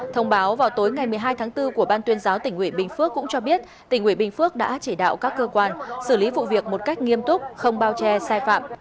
thông báo vào tối ngày một mươi hai tháng bốn của ban tuyên giáo tỉnh ủy bình phước cũng cho biết tỉnh ủy bình phước đã chỉ đạo các cơ quan xử lý vụ việc một cách nghiêm túc không bao che sai phạm